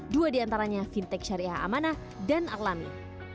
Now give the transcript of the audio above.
dua di antaranya fintech syariah amanah dan alami